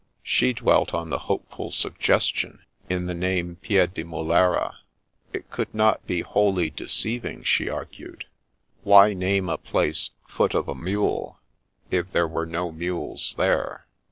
She dwelt on the hopeful suggestion in the name Piedimulera. It could not be wholly deceiving, she argued. Why name a place Foot of a Mule, if there were no mules there?